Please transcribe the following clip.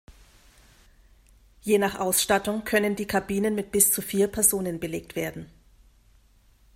Je nach Ausstattung können die Kabinen mit bis zu vier Personen belegt werden.